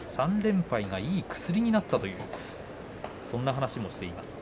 ３連敗がいい薬になったというそんな話もしています。